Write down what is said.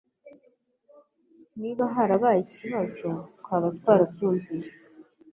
Niba harabaye ikibazo, twaba twarabyumvise.